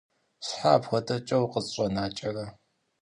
Щхьэ апхуэдэкӀэ укъысщӀэнакӀэрэ?